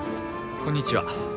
こんにちは。